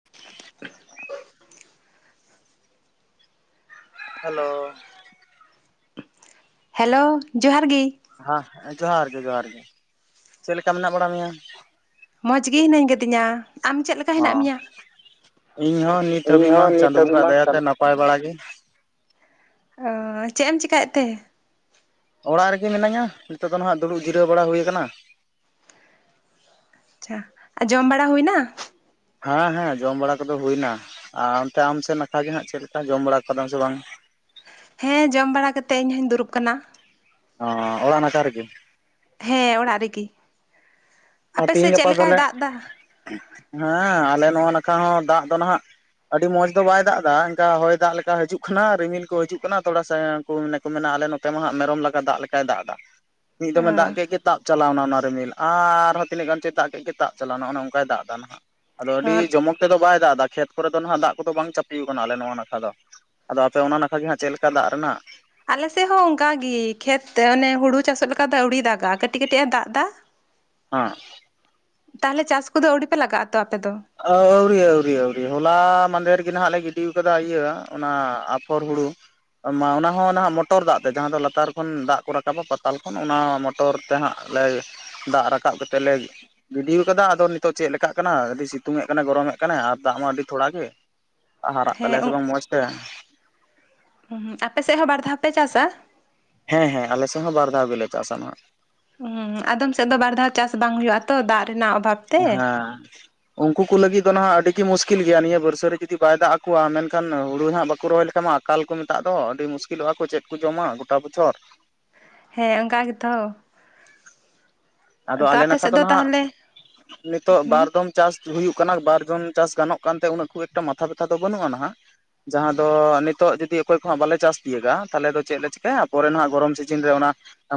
[inaudible] Hello hello ᱡᱚᱦᱟᱨ ᱜᱮ ᱦᱮᱸ ᱦᱮᱸ ᱡᱚᱦᱟᱨ ᱜᱮ ᱡᱚᱦᱟᱨ ᱜᱮ ᱪᱮᱫ ᱞᱮᱠᱟ ᱢᱮᱱᱟᱜ ᱵᱟᱲᱟ ᱢᱮᱭᱟ ᱢᱚᱡᱽ ᱜᱮ ᱦᱤᱱᱟᱹ ᱠᱟᱫᱤᱧᱟ ᱦᱚᱸ ᱤᱧ ᱦᱚᱸ ᱱᱤᱛ ᱤᱧ ᱦᱟᱹᱵᱤᱡ ᱢᱟ ᱦᱚᱸ ᱱᱤᱛ ᱪᱟᱸᱫᱚ ᱦᱟᱹᱵᱤᱡ ᱵᱚᱸᱜᱟ ᱢᱟ ᱫᱟᱭᱟᱛᱮ ᱪᱟᱞᱩ ᱱᱟᱯᱟᱭ ᱵᱟᱲᱟ ᱜᱮ ᱚᱻ ᱪᱮᱫ ᱮᱢ ᱪᱤᱠᱟᱭᱮᱫ ᱛᱮ ᱚᱲᱟᱜ ᱨᱮᱜᱮ ᱢᱤᱹᱧᱟ ᱱᱤᱛᱚᱜ ᱫᱚ ᱱᱟᱦᱟᱜ ᱫᱩᱲᱩᱵ ᱡᱤᱨᱟᱹᱣ ᱵᱟᱲᱟ ᱦᱩᱭ ᱟᱠᱟᱱᱟ᱾ ᱟᱪᱪᱷᱟ ᱟᱨ ᱡᱚᱢ ᱵᱟᱲᱟ ᱦᱩᱭᱱᱟ ᱦᱮᱸ ᱦᱮᱸ ᱡᱚᱢ ᱵᱟᱲᱟ ᱠᱚᱫᱚ ᱦᱩᱭᱮᱱᱟ ᱟᱨ ᱚᱱᱛᱮ ᱟᱢ ᱥᱮ ᱱᱟᱠᱷᱟ ᱜᱮ ᱦᱜ ᱪᱮᱫ ᱞᱮᱠᱟ ᱡᱚᱢ ᱵᱟᱲᱟ ᱟᱠᱟᱫᱟᱢ ᱥᱮ ᱵᱟᱝ᱾ ᱦᱮᱸ ᱡᱚᱢ ᱵᱟᱲᱟ ᱠᱟᱛᱮ ᱤᱧ ᱦᱚᱧ ᱫᱩᱲᱩᱵ ᱠᱟᱱᱟ‌᱾ ᱚ ᱚᱲᱟᱜ ᱱᱟᱠᱷᱟ ᱨᱮᱜᱮ ᱦᱮᱸ ᱚᱲᱟᱜ ᱨᱮᱜᱤ ᱛᱮᱦᱮᱧ ᱜᱟᱯᱟ ᱛᱟᱦᱞᱮ ᱫᱟᱜ ᱮᱫᱟ? ᱦᱮᱸ ᱟᱞᱮ ᱱᱚᱣᱟ ᱱᱟᱠᱷᱟ ᱦᱚᱸ ᱫᱟᱜ ᱫᱚ ᱱᱟᱦᱟᱜ ᱟᱹᱰᱤ ᱢᱚᱸᱡᱽ ᱫᱚ ᱵᱟᱭ ᱫᱟᱜ ᱮᱫᱟ ᱮᱚᱱᱠᱟ ᱦᱚᱭ ᱫᱟᱜ ᱞᱮᱠᱟ ᱦᱤᱡᱩᱜ ᱠᱟᱱᱟ ᱨᱤᱢᱤᱞ ᱠᱚ ᱦᱤᱡᱩᱜ ᱠᱟᱱᱟ ᱛᱷᱚᱲᱟ᱾ ᱢᱟᱱᱮ ᱠᱚ ᱢᱮᱱᱟ ᱟᱞᱮ ᱱᱚᱛᱮ ᱢᱟ ᱦᱟᱜ ᱢᱮᱨᱚᱢ ᱞᱟᱜᱟ ᱫᱟᱜ ᱞᱮᱠᱟᱭ ᱫᱟᱜ ᱮᱫᱟ ᱢᱤᱫ ᱫᱚᱢᱮ ᱫᱟᱜ ᱠᱮᱫ ᱜᱤ ᱛᱟᱵ ᱪᱟᱞᱟᱣᱱᱟ ᱚᱱᱟ ᱨᱤᱢᱤᱞ ᱟᱨ ᱛᱟᱦᱳ ᱛᱤᱱᱟᱹᱜ ᱜᱟᱱ ᱪᱟᱭ ᱫᱟᱜ ᱠᱮᱫ ᱛᱟᱵ ᱪᱟᱞᱟᱣ ᱱᱟ ᱚᱱᱮ ᱚᱱᱠᱟᱭ ᱫᱟᱜ ᱫᱟ ᱱᱟᱦᱟᱜ ᱟᱫᱚ ᱚ ᱟᱹᱰᱤ ᱡᱚᱢᱚᱠ ᱛᱮᱫᱚ ᱵᱟᱭ ᱫᱟᱜ ᱮᱫᱟ, ᱠᱷᱮᱛ ᱠᱚᱨᱮ ᱫᱚ ᱱᱟᱦᱟᱜ ᱫᱟᱜ ᱠᱚᱫᱚ ᱵᱟᱝ ᱪᱟᱯᱤᱣ ᱟᱠᱟᱱᱟ ᱟᱞᱮ ᱱᱚᱣᱟ ᱱᱟᱠᱷᱟ ᱫᱚ᱾ ᱟᱫᱚ ᱟᱯᱮ ᱚᱱᱟ ᱱᱟᱠᱷᱟ ᱜᱮ ᱦᱟᱸᱜ ᱪᱮᱫ ᱞᱮᱠᱟ ᱫᱟᱜ ᱨᱮᱱᱟᱜ ᱟᱞᱮ ᱥᱮᱫ ᱦᱚᱸ ᱚᱱᱠᱟᱜ ᱜᱤ ᱠᱷᱮᱛ ᱚᱱᱮ ᱦᱩᱲᱩ ᱪᱟᱥᱚᱜ ᱞᱮᱠᱟ ᱫᱚ ᱟᱹᱣᱨᱤ ᱫᱟᱜᱟ ᱠᱟᱹᱴᱤᱡ ᱠᱟᱹᱴᱤᱡ ᱮ ᱫᱟᱜ ᱮᱫᱟ᱾ [inaudible] ᱦᱟᱸᱜ ᱛᱟᱦᱚᱞᱮ ᱪᱟᱥ ᱠᱚᱫᱚ ᱟᱹᱣᱰᱤ ᱯᱮ ᱞᱟᱜᱟᱜ ᱟ ᱛᱚ ᱟᱯᱮ ᱫᱚ? ᱟᱹᱣᱨᱤ ᱟᱹᱣᱨᱤ ᱟᱹᱣᱨᱤ ᱦᱚᱞᱟ ᱢᱟᱫᱷᱮᱨ ᱜᱮ ᱱᱟᱜ ᱞᱮ ᱜᱤᱰᱤᱣ ᱠᱟᱫᱟ ᱤᱭᱟᱹ ᱚᱱᱟ ᱟᱯᱷᱚᱨ ᱦᱩᱲᱩ ᱢᱟᱸ ᱚᱱᱟ ᱦᱚᱸ ᱱᱟᱦᱟᱜ ᱢᱚᱴᱚᱨ ᱫᱟᱜ ᱛᱮ ᱡᱟᱦᱟᱸ ᱫᱚ ᱞᱟᱛᱟᱨ ᱠᱷᱚᱱ ᱫᱟᱜ ᱠᱚ ᱨᱟᱠᱟᱵᱟ ᱯᱟᱛᱟᱞ ᱠᱷᱚᱱ ᱚᱱᱟ ᱢᱚᱴᱚᱨ ᱢᱚᱴᱚᱨ ᱛᱮ ᱱᱟᱦᱟᱸᱜ ᱞᱮ ᱫᱟᱜ ᱨᱟᱠᱟᱵ ᱠᱟᱛᱮᱜ ᱞᱮ ᱜᱤᱰᱤ ᱟᱠᱟᱫᱟ ᱟᱫᱚ ᱱᱤᱛᱚᱜ ᱪᱮᱫᱠᱟᱜ ᱠᱟᱱᱟ ᱟᱹᱰᱤ ᱥᱤᱛᱩᱝ ᱮᱫ ᱠᱟᱱᱮ ᱜᱚᱨᱚᱢᱮᱫ ᱠᱟᱱᱮ ᱟᱨ ᱫᱟᱜ ᱢᱟ ᱟᱹᱰᱤ ᱛᱷᱚᱲᱟ ᱜᱮ ᱦᱟᱨᱟᱜ ᱛᱟᱞᱮᱭᱟ ᱥᱮ ᱦᱮᱸ ᱵᱟᱝ ᱢᱚᱸᱡᱽ ᱛᱮ? ᱦᱚᱸ ᱦᱳᱸ ᱟᱯᱮ ᱥᱮᱫ ᱦᱚᱸ ᱵᱟᱨ ᱫᱷᱟᱣ ᱯᱮ ᱪᱟᱥᱟ? ᱦᱮᱸ ᱦᱮᱸ ᱟᱞᱮ ᱥᱮᱫ ᱦᱚᱸ ᱵᱟᱨ ᱫᱷᱟᱣ ᱜᱮ ᱞᱮ ᱪᱟᱥᱟ ᱱᱟᱦᱟᱜ᱾ ᱦᱚᱸ ᱟᱫᱚᱢ ᱥᱮᱫ ᱫᱚ ᱵᱟᱨ ᱫᱷᱟᱣ ᱪᱟᱥ ᱵᱟᱝ ᱦᱩᱭᱩᱜᱼᱟ ᱛᱚ ᱫᱟᱜ ᱨᱮᱱᱟᱜ ᱚᱵᱷᱟᱵᱽ ᱛᱮ᱾ ᱟᱸᱸᱸᱦ ᱩᱱᱠᱩ ᱠᱩ ᱞᱟᱹᱜᱤᱫ ᱫᱚ ᱱᱟᱦᱟᱜ ᱟᱹᱰᱤ ᱜᱮ ᱢᱩᱥᱠᱤᱞ ᱜᱮᱭᱟ ᱱᱤᱭᱟᱹ ᱵᱟᱹᱨᱥᱟᱹ ᱨᱮ ᱡᱩᱫᱤ ᱵᱟᱭ ᱫᱟᱜ ᱟᱠᱚᱣᱟ ᱢᱮᱱᱠᱷᱟᱱ ᱦᱩᱲᱩ ᱦᱟᱸᱜ ᱵᱟᱠᱚ ᱨᱚᱦᱚᱭ ᱞᱮᱠᱷᱟᱱ ᱢᱟ ᱟᱠᱟᱞ ᱠᱚ ᱢᱮᱛᱟᱜ ᱫᱚ ᱟᱹᱰᱤ ᱢᱩᱥᱠᱤᱞᱚᱜᱼᱟ ᱠᱚ ᱪᱮᱫ ᱠᱚ ᱡᱚᱢᱟ ᱜᱚᱴᱟ ᱵᱚᱪᱷᱚᱨ ᱦᱮᱸ ᱚᱱᱠᱟ ᱜᱮᱛᱷᱚ ᱟᱫᱚ ᱟᱞᱮ ᱱᱟᱠᱷᱟ ᱥᱮᱫ ᱫᱚ ᱱᱟᱦᱟᱜ ᱛᱟᱦᱚᱞᱮ ᱱᱤᱛᱚᱜ ᱦᱩᱸ ᱵᱟᱨ ᱫᱚᱢ ᱪᱟᱥ ᱦᱩᱭᱩᱜ ᱠᱟᱱᱟ ᱵᱟᱨ ᱫᱚᱱ ᱪᱟᱥ ᱜᱟᱱᱚᱜ ᱠᱟᱱᱛᱮ ᱩᱱᱟᱹᱜ ᱠᱷᱩᱵ ᱮᱠᱴᱟ ᱢᱟᱛᱷᱟ ᱵᱮᱛᱷᱟ ᱫᱚ ᱵᱟᱹᱱᱩᱜᱼᱟ ᱦᱟᱜ ᱱᱟᱦᱟᱜ ᱡᱟᱦᱟᱸ ᱫᱚ ᱱᱤᱛᱚᱜ ᱡᱩᱫᱤ ᱚᱠᱚᱭ ᱠᱚᱦᱟᱜ ᱵᱟᱞᱮ ᱪᱟᱥ ᱛᱤᱭᱟᱹᱜᱟ ᱛᱟᱦᱮᱞᱮ ᱪᱮᱫ ᱞᱮ ᱪᱤᱠᱟᱹᱭᱟ ᱯᱚᱨᱮ ᱱᱟᱦᱜ ᱜᱚᱨᱚᱢ ᱥᱤᱡᱤᱱ ᱨᱮ ᱚᱱᱟ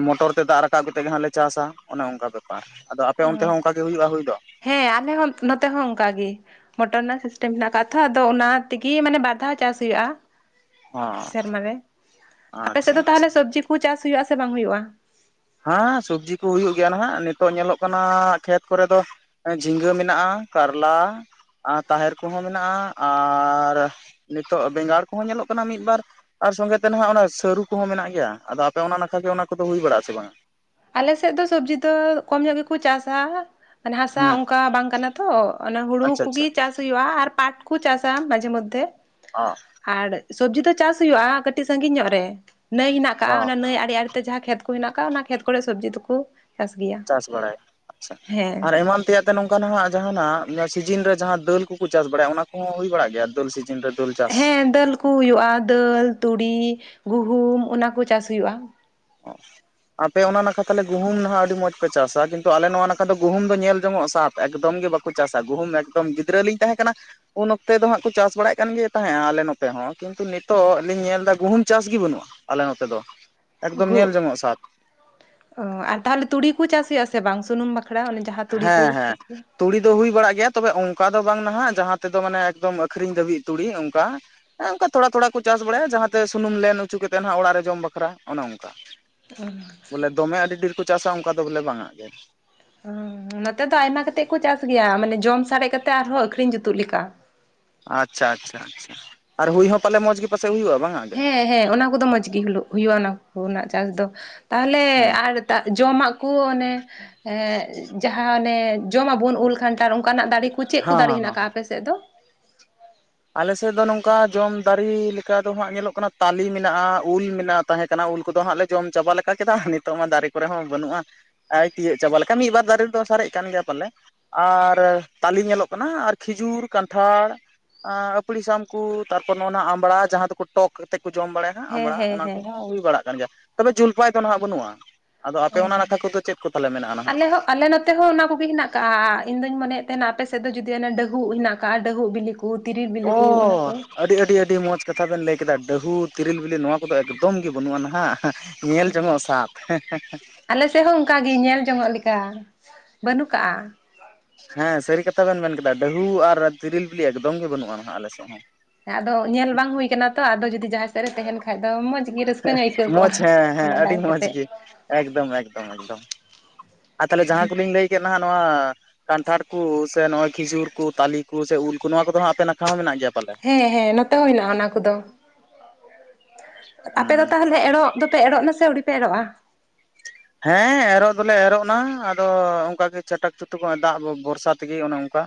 ᱢᱚᱴᱚᱨ ᱛᱮ ᱫᱟᱜ ᱨᱟᱠᱟᱵ ᱠᱟᱛᱮᱜ ᱜᱮ ᱦᱟᱸ ᱞᱮ ᱪᱟᱥᱟ᱾ ᱚᱱᱮ ᱚᱱᱠᱟ ᱵᱮᱯᱟᱨ ᱟᱫᱚ ᱟᱯᱮ ᱚᱱᱛᱮ ᱚ ᱦᱚᱸ ᱚᱱᱠᱟ ᱜᱮ ᱦᱩᱭᱩᱜᱼᱟ ᱦᱩᱭ ᱫᱚ ᱦᱮᱸ ᱟᱞᱮ ᱦᱚᱸ ᱱᱚᱛᱮ ᱦᱚᱸ ᱚᱱᱠᱟ ᱜᱮ ᱢᱚᱴᱚᱨ ᱨᱮᱱᱟᱜ ᱥᱤᱥᱴᱮᱢ ᱢᱮᱱᱟᱜ ᱟᱠᱟᱫ ᱛᱷᱚ ᱟᱫᱚ ᱚᱱᱟ ᱛᱮᱜᱮ ᱢᱟᱱᱮ ᱵᱟᱨ ᱫᱷᱟᱣ ᱪᱟᱥ ᱦᱩᱭᱩᱜᱼᱟ᱾ ᱚ ᱥᱮᱨᱢᱟ ᱨᱮᱺ ᱟᱯᱮ ᱥᱮᱫ ᱫᱚ ᱟᱪᱪᱷᱟ ᱛᱟᱦᱚᱞᱮ ᱟᱪᱪᱷᱟ ᱥᱚᱵᱡᱤ ᱠᱚ ᱪᱟᱥ ᱦᱩᱭᱩᱜ ᱟᱥᱮ ᱵᱟᱝ ᱦᱩᱭᱩᱜᱼᱟ? ᱦᱟᱸ ᱥᱚᱵᱡᱤ ᱠᱩ ᱦᱩᱭᱩᱜ ᱜᱮᱭᱟ ᱱᱟᱦᱟᱜ ᱱᱤᱛᱚᱜ ᱧᱮᱞᱚᱜ ᱠᱟᱱᱟ ᱠᱷᱮᱛ ᱠᱚᱨᱮ ᱫᱚ ᱡᱷᱤᱸᱜᱟᱹ ᱢᱮᱱᱟᱜᱼᱟ ᱠᱟᱨᱞᱟ ᱟᱨ ᱛᱟᱦᱮᱨ ᱠᱚᱦᱚᱸ ᱢᱮᱱᱟᱜᱼᱟ ᱟᱨ ᱱᱤᱛᱚᱜ ᱵᱮᱸᱜᱟᱲ ᱠᱚᱦᱚᱸ ᱧᱮᱞᱚᱜ ᱠᱟᱱᱟ ᱢᱤᱫ ᱵᱟᱨ ᱟᱨ ᱥᱚᱸᱜᱮ ᱛᱮ ᱱᱟᱦᱟᱜ ᱚᱱᱟ ᱥᱟᱹᱨᱩ ᱠᱚᱦᱚᱸ ᱢᱮᱱᱟᱜ ᱜᱮᱭᱟ ᱟᱫᱚ ᱟᱯᱮ ᱚᱱᱟ ᱱᱟᱠᱷᱟ ᱜᱮ ᱚᱱᱟ ᱠᱚᱫᱚ ᱦᱩᱭ ᱵᱟᱲᱟᱜ ᱟᱥᱮ ᱵᱟᱝᱼᱟ? ᱟᱞᱮ ᱥᱮᱫ ᱫᱚ ᱥᱚᱵᱽᱡᱤ ᱫᱚ ᱠᱚᱢ ᱧᱚᱜ ᱜᱮ ᱪᱟᱥᱟ ᱢᱮ ᱦᱟᱥᱟ ᱦᱩᱸ ᱚᱱᱠᱟ ᱵᱟᱝ ᱠᱟᱱᱟ ᱛᱚ ᱚᱱᱮ ᱦᱩᱲᱩ ᱟᱪᱪᱷᱟ ᱠᱩᱜᱮ ᱟᱪᱪᱷᱟ ᱪᱟᱥ ᱭᱼᱟ ᱟᱨ ᱯᱟᱴ ᱠᱩ ᱪᱟᱥᱟ ᱢᱟᱡᱮ ᱢᱚᱫᱫᱷᱮ ᱚᱸ ᱟᱨ ᱥᱚᱵᱽᱡᱤ ᱫᱚ ᱪᱟᱥ ᱦᱩᱭᱩᱜᱼᱟ, ᱠᱟᱴᱤᱡ ᱥᱟᱺᱜᱤᱧ ᱧᱚᱜ ᱨᱮ ᱱᱟᱹᱭ ᱦᱮᱱᱟᱜ ᱠᱟᱜᱼᱟ, ᱦᱚᱸ ᱚᱱᱟ ᱱᱟᱹᱭ ᱟᱲᱮ ᱟᱲᱮ ᱛᱮ ᱡᱟᱦᱟᱸ ᱠᱷᱮᱛ ᱦᱮᱱᱟᱜ ᱟᱠᱟᱫᱼᱟ ᱚᱱᱟ ᱠᱷᱮᱛ ᱠᱚᱨᱮ ᱥᱚᱵᱽᱡᱤ ᱫᱚᱠᱩ ᱪᱟᱥ ᱵᱟᱲᱟᱭᱟ ᱟᱪᱷᱟ ᱟᱨ ᱮᱢᱟᱱ ᱛᱮᱭᱟᱜ ᱱᱚᱝᱠᱟ ᱱᱟᱜᱼᱟ ᱡᱟᱦᱱᱟᱜ ᱥᱤᱡᱤᱱ ᱨᱮ ᱡᱟᱦᱟᱸ ᱫᱟᱹᱞ ᱠᱚᱠᱚ ᱪᱟᱥ ᱵᱟᱲᱟᱭᱟ ᱚᱱᱟ ᱠᱚᱦᱚᱸ ᱦᱩᱭ ᱵᱟᱲᱟᱜ ᱜᱮᱭᱟ ᱫᱟᱹᱞ ᱥᱤᱡᱤᱱ ᱤᱱ [unintelligible] ᱦᱮᱸ ᱫᱟᱹᱞ ᱠᱩ ᱦᱩᱭᱩᱜᱼᱟ ᱫᱟᱹᱞ, ᱛᱩᱲᱤ, ᱜᱩᱦᱩᱢ ᱚᱱᱟᱠᱚ ᱪᱟᱥ ᱦᱩᱭᱩᱜᱼᱟ ᱚ [inaudible] ᱟᱯᱮ ᱚᱱᱟ ᱱᱟᱠᱷᱟ ᱛᱟᱞᱮ ᱜᱩᱢ ᱱᱟᱦᱟᱜ ᱟᱹᱰᱤ ᱢᱚᱸᱡᱽ ᱯᱮ ᱪᱟᱥᱟ ᱠᱤᱱᱛᱩ ᱟᱞᱮ ᱱᱚᱣᱟ ᱱᱟᱠᱷᱟ ᱫᱚ ᱜᱩᱦᱩᱢ ᱫᱚ ᱧᱮᱞ ᱡᱚᱝᱚᱜᱼᱟ ᱥᱟᱫ ᱮᱠᱫᱚᱢ ᱜᱤ ᱵᱟ ᱠᱚ ᱪᱟᱥᱟ ᱜᱩᱦᱩᱢ ᱮᱠᱫᱚᱢ ᱜᱤᱫᱽᱨᱟᱹ ᱞᱤᱧ ᱛᱟᱦᱮᱸ ᱠᱟᱱᱟ ᱩᱱ ᱚᱠᱛᱮ ᱫᱚ ᱦᱟᱜ ᱠᱚ ᱪᱟᱥ ᱵᱟᱲᱟᱭᱮᱫ ᱠᱟᱱ ᱜᱮ ᱛᱟᱦᱮᱸᱼᱟ, ᱟᱞᱮ ᱱᱚᱛᱮ ᱦᱚᱸ ᱠᱤᱱᱛᱩ ᱱᱤᱛᱚᱜ ᱞᱤᱧ ᱧᱮᱞ ᱮᱫᱟ ᱜᱩᱦᱩᱢ ᱪᱟᱥ ᱜᱮ ᱵᱟᱹᱱᱩᱜᱼᱟ᱾ ᱟᱞᱮ ᱱᱚᱛᱮ ᱫᱚ ᱮᱠᱫᱚᱢ ᱜᱩ ᱧᱮᱞ ᱡᱚᱝᱚᱜᱼᱟ ᱥᱟᱫ ᱚ ᱟᱨ ᱛᱟᱦᱚᱞᱮ ᱛᱩᱲᱤ ᱠᱚ ᱪᱟᱥ ᱦᱩᱭᱩᱜᱼᱟ ᱥᱮ ᱵᱟᱝ ᱥᱩᱱᱩᱢ ᱵᱟᱠᱷᱨᱟ ᱡᱟᱦᱟᱸ ᱛᱩᱲᱤ ᱦᱮᱸ ᱠᱚ ᱦᱮᱸ ᱪᱟᱥ ᱜᱮᱭᱟ ᱛᱩᱲᱤ ᱫᱚ ᱦᱩᱭ ᱵᱟᱲᱟᱜ ᱜᱮᱭᱟ ᱛᱚ ᱵᱮ ᱚᱱᱠᱟ ᱫᱚ ᱵᱟᱝ ᱱᱟᱦᱟᱜ ᱡᱟᱦᱟᱸ ᱛᱮ ᱫᱚ ᱢᱟᱱᱮ ᱮᱠᱫᱚᱢ ᱟᱠᱷᱨᱤᱧ ᱫᱷᱟᱹᱵᱤᱡ ᱛᱩᱲᱤ ᱚᱱᱠᱟ ᱦᱮᱸ ᱚᱱᱠᱟ ᱛᱷᱚᱲᱟ ᱛᱷᱚᱲᱟ ᱠᱚ ᱪᱟᱥ ᱵᱟᱲᱟᱭᱟ ᱡᱟᱦᱟᱸᱛᱮ ᱥᱩᱱᱩᱢ ᱞᱮᱱ ᱚᱪᱚ ᱠᱟᱛᱮᱫ ᱦᱟᱸᱜ ᱚᱲᱟᱜ ᱨᱮ ᱡᱚᱢ ᱵᱟᱠᱷᱨᱟ ᱚᱱᱮ ᱚᱱᱠᱟ ᱵᱚᱞᱮ [unintelligible] ᱫᱚᱢᱮ ᱟᱹᱰᱤ ᱰᱷᱮᱨ ᱠᱚ ᱪᱟᱥᱟ ᱚᱱᱠᱟ ᱫᱚ ᱵᱚᱞᱮ ᱵᱟᱝ-ᱟ ᱦᱚᱸ ᱱᱚᱛᱮ ᱫᱚ ᱟᱭᱢᱟ ᱠᱟᱛᱮᱫ ᱠᱚ ᱪᱟᱥ ᱜᱮᱭᱟ ᱢᱟᱱᱮ ᱡᱚᱢ ᱥᱟᱨᱮᱡ ᱠᱟᱛᱮᱜ ᱟᱨᱦᱚᱸ ᱟᱹᱠᱷᱨᱤᱧ ᱡᱩᱛᱩᱜ ᱞᱮᱠᱟ, ᱟᱪᱪᱷᱟ ᱟᱪᱪᱷᱟ ᱟᱪᱪᱷᱟ ᱟᱨ ᱦᱩᱭ ᱦᱚᱸ ᱯᱟᱞᱮ ᱢᱚᱡᱽ ᱜᱮ ᱯᱟᱥᱮᱡ ᱦᱩᱭᱩᱜᱼᱟ ᱵᱟᱝ-ᱟ ᱜᱮ ᱦᱮᱸ ᱦᱮᱸ ᱚᱱᱟ ᱠᱚᱫᱚ ᱢᱚᱸᱡᱽ ᱜᱮ [unintelligible] ᱦᱩᱭᱩᱜᱼᱟ ᱚᱱᱟ ᱠᱚ ᱨᱮᱱᱟᱜ ᱪᱟᱥ ᱫᱚ ᱛᱟᱦᱚᱞᱮ ᱦᱩᱸ ᱟᱨ ᱫᱟᱜ ᱡᱚᱢᱟᱜ ᱠᱚ ᱚᱱᱮ ᱦᱮᱸ ᱡᱟᱦᱟᱸ ᱚᱱᱮ ᱡᱚᱢ ᱟᱵᱚᱱ ᱩᱞ ᱠᱷᱟᱱᱴᱷᱟᱲ ᱚᱱᱠᱟᱱᱟᱜ ᱫᱟᱨᱮ [unintelligible] ᱪᱮᱫ ᱠᱚ ᱦᱟᱸ ᱫᱟᱨᱮ ᱦᱟᱸ ᱦᱮᱱᱟᱜ ᱠᱟᱜᱼᱟ ᱟᱯᱮ ᱥᱮᱫ ᱫᱚ? ᱟᱞᱮᱥᱮᱫ ᱫᱚ ᱱᱚᱝᱠᱟ ᱡᱚᱢ ᱫᱟᱨᱮ ᱞᱮᱠᱟ ᱫᱚ ᱦᱟᱸᱜ ᱧᱮᱞᱚᱜ ᱠᱟᱱᱟ ᱛᱟᱞᱮ ᱢᱮᱱᱟᱜᱼᱟ ᱩᱞ ᱢᱮᱱᱟᱜᱼᱟ, ᱛᱟᱦᱮᱸ ᱠᱟᱱᱟ ᱩᱞ ᱠᱚᱫᱚ ᱦᱟᱸᱜ ᱞᱮ ᱡᱚᱢ ᱪᱟᱵᱟ ᱞᱮᱠᱟ ᱠᱮᱫᱟ ᱱᱤᱛᱚᱜ ᱢᱟ ᱫᱟᱨᱮ ᱠᱚᱨᱮ ᱦᱚᱸ ᱵᱟᱹᱱᱩᱜᱼᱟ, [unintelligible] ᱛᱤᱭᱳᱜ ᱪᱟᱵᱟ ᱞᱮᱠᱟᱱ ᱢᱤᱫ ᱵᱟᱨ ᱫᱟᱨᱮ ᱨᱮᱫᱚ ᱥᱟᱨᱮᱡ ᱠᱟᱱ ᱜᱮᱭᱟ ᱯᱟᱞᱮ ᱟᱨ ᱛᱟᱞᱮ ᱧᱮᱞᱚᱜ ᱠᱟᱱᱟ ᱟᱨ ᱠᱷᱤᱡᱩᱨ ᱠᱟᱱᱴᱷᱟᱲ ᱟᱹᱯᱲᱤ ᱥᱟᱢ ᱠᱚ ᱛᱟᱨᱯᱚᱨ ᱱᱚᱜᱼᱚᱭ ᱱᱚᱣᱟ ᱟᱢᱲᱟ ᱡᱟᱦᱟᱸ ᱫᱚᱠᱚ ᱴᱚᱠ ᱠᱟᱛᱮᱫ ᱠᱚ ᱡᱚᱢ ᱵᱟᱲᱟᱭᱟ, ᱦᱮᱸ ᱟᱢᱵᱲᱟ ᱚᱱᱟ ᱠᱚᱦᱚᱸ ᱦᱩᱭ ᱵᱟᱲᱟᱜ ᱠᱟᱱ ᱜᱮᱭᱟ ᱛᱚᱵᱮ ᱡᱩᱞᱯᱟᱭ ᱫᱚ ᱱᱟᱦᱟᱸᱜ ᱵᱟᱹᱱᱩᱜᱼᱟ, ᱟᱫᱚ ᱟᱯᱮ ᱚᱱᱟ ᱚ ᱱᱟᱠᱷᱟ ᱠᱚᱫᱚ ᱪᱮᱫ ᱠᱚ ᱛᱟᱦᱚᱞᱮ ᱢᱮᱱᱟᱜᱼᱟ ᱱᱟᱦᱟᱜ? ᱟᱞᱮ ᱦᱚᱸ ᱟᱞᱮ ᱱᱚᱛᱮ ᱦᱚᱸ ᱚᱱᱟ ᱠᱚᱜᱮ ᱦᱮᱱᱟᱜ ᱠᱟᱜᱼᱟ ᱤᱧ ᱫᱚᱧ ᱢᱚᱱᱮ ᱭᱮᱫ ᱛᱟᱦᱮᱱᱟ ᱟᱯᱮ ᱥᱮᱫ ᱫᱚ ᱡᱩᱫᱤ ᱚᱱᱟ ᱰᱟᱹᱦᱩᱜ ᱦᱮᱱᱟᱜ ᱠᱟᱜᱼᱟ ᱰᱟᱹᱦᱩᱜ ᱵᱤᱞᱤ ᱠᱚ, ᱛᱤᱨᱤᱞ ᱵᱤᱞᱤ ᱚᱻ ᱠᱚ ᱚᱱᱟ ᱠᱚ ᱟᱹᱰᱤ ᱟᱹᱰᱤ ᱟᱹᱰᱤ ᱢᱚᱡᱽ ᱠᱟᱛᱷᱟ ᱵᱮᱱ ᱞᱟᱹᱭ ᱠᱮᱫᱟ ᱰᱟᱹᱦᱩ ᱛᱤᱨᱤᱞ ᱵᱤᱞᱤ ᱱᱚᱣᱟ ᱠᱚᱫᱚ ᱮᱠᱫᱚᱢ ᱜᱮ ᱵᱟᱹᱱᱩᱜᱼᱟ ᱱᱟᱦᱟᱜ, ᱧᱮᱞ ᱡᱚᱝ ᱦᱚ ᱚᱥᱟᱫ ᱦᱮᱸ ᱦᱮᱸ ᱦᱮᱸ ᱟᱞᱮ ᱥᱮᱫ ᱦᱚᱸ ᱚᱱᱠᱟ ᱜᱮ ᱧᱮᱞ ᱡᱚᱝ ᱟᱜ ᱞᱮᱠᱟ ᱵᱟᱹᱱᱩᱜ ᱠᱟᱜᱼᱟ, ᱦᱮᱸ ᱥᱟᱹᱨᱤ ᱠᱟᱛᱷᱟ ᱵᱮᱱ ᱢᱮᱱ ᱠᱮᱫᱟ ᱰᱟᱹᱦᱩ ᱟᱨ ᱛᱤᱨᱮᱞ ᱵᱤᱞᱤ ᱮᱠᱫᱚᱢ ᱜᱮ ᱵᱟᱹᱱᱩᱜᱼᱟ ᱱᱟᱦᱟᱜ ᱟᱞᱮᱥᱮᱫ ᱦᱚᱸ, ᱟᱫᱚ ᱧᱮᱞ ᱵᱟᱝ ᱦᱩᱭ ᱠᱟᱱᱟ ᱛᱚ ᱟᱫᱚ ᱡᱩᱫᱤ ᱡᱟᱦᱟᱸ ᱥᱮᱫ ᱨᱮ ᱛᱟᱦᱮᱱ ᱠᱷᱟᱡ ᱫᱚ ᱢᱚᱸᱡᱽ ᱜᱮ ᱨᱟᱹᱥᱠᱟᱹ ᱧᱚᱜ ᱟᱹᱭᱠᱟᱹᱣ [unintelligible] ᱠᱚᱜᱼᱟ ᱢᱚᱡᱽ ᱦᱮᱸ ᱦᱮᱸ ᱟᱹᱰᱤ ᱵᱟᱰᱟᱭ ᱢᱚᱡᱽ ᱠᱟᱛᱮᱫ ᱜᱮ, ᱮᱠᱫᱚᱢ ᱮᱠᱫᱚᱢ ᱮᱠᱫᱚᱢ [unintelligible] ᱟᱨ ᱛᱟᱦᱚᱞᱮ ᱡᱟᱦᱟᱸ ᱠᱚᱞᱤᱧ ᱞᱟᱹᱭ ᱠᱮᱫ ᱦᱟᱸᱜ ᱱᱚᱣᱟ ᱠᱟᱱᱴᱷᱟᱲ ᱠᱚ ᱥᱮ ᱱᱚᱜ-ᱚᱭ ᱠᱷᱤᱡᱩᱨ ᱠᱚ ᱛᱟᱞᱮ ᱠᱚ ᱥᱮ ᱩᱞ ᱠᱚ ᱱᱚᱣᱟ ᱠᱚᱫᱚ ᱟᱯᱮ ᱱᱟᱠᱷᱟ ᱦᱚᱸ ᱢᱮᱱᱟᱜ ᱜᱮᱭᱟ ᱯᱟᱞᱮ? ᱦᱮᱸ ᱦᱮᱸ ᱱᱚᱛᱮ ᱦᱚᱸ ᱦᱮᱱᱟᱜᱼᱟ ᱚᱱᱟ ᱠᱚᱫᱚ, ᱟᱯᱮ ᱫᱚ ᱦᱩᱸ ᱛᱟᱦᱚᱞᱮ ᱮᱨᱚᱜ ᱫᱚᱯᱮ ᱮᱨᱚᱜ ᱮᱱᱟ ᱥᱮ ᱟᱹᱣᱨᱤ ᱯᱮ ᱮᱨᱚᱜᱼᱟ? ᱦᱮᱸ ᱮᱨᱚᱜ ᱫᱚᱞᱮ ᱮᱨᱚᱜ ᱮᱱᱟ ᱟᱫᱚ ᱚᱱᱠᱟ ᱜᱮ ᱪᱟᱴᱟᱠ ᱪᱩᱴᱩᱜ ᱚᱱᱮ ᱫᱟᱜ ᱵᱷᱚᱨᱥᱟ ᱛᱮᱜᱮ ᱚᱱᱮ ᱚᱱᱠᱟ,